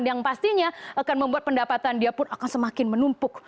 yang pastinya akan membuat pendapatan dia pun akan semakin menumpuk